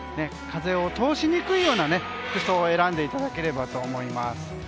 風を通しにくいような服装を選んでいただければと思います。